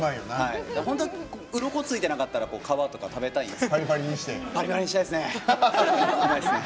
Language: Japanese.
本当はうろこついてなかったら皮とか食べたいです。